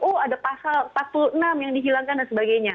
oh ada pasal empat puluh enam yang dihilangkan dan sebagainya